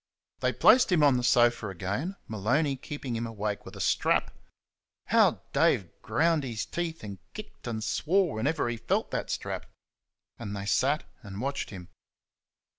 They placed him on the sofa again, Maloney keeping him awake with a strap. How Dave ground his teeth and kicked and swore whenever he felt that strap! And they sat and watched him.